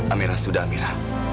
amira sudah amira